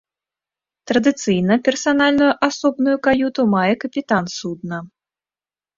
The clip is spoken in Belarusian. Традыцыйна персанальную асобную каюту мае капітан судна.